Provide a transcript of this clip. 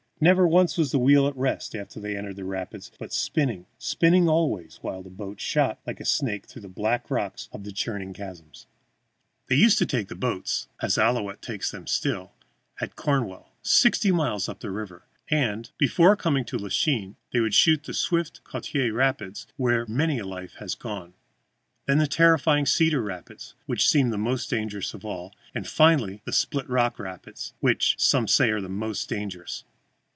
Never once was the wheel at rest after they entered the rapids, but spinning, spinning always, while the boat shot like a snake through black rocks and churning chasms. [Illustration: FRED OUILLETTE, THE YOUNG PILOT.] They used to take the boats as Ouillette takes them still at Cornwall, sixty miles up the river, and, before coming to Lachine, they would shoot the swift Coteau Rapids, where many a life has gone, then the terrifying Cedar Rapids, which seem the most dangerous of all, and finally, the Split rock Rapids, which some say are the most dangerous.